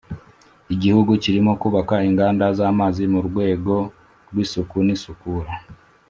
Igihugu kirimo kubaka inganda z’amazi mu rwego rw’isuku ni isukura